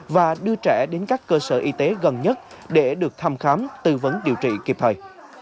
và đưa trẻ đến các cơ sở y tế gần nhất để được thăm khám tư vấn điều trị kịp thời